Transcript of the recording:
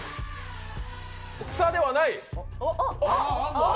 草ではない。